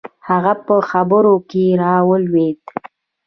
هغه په خبرو کښې راولويد.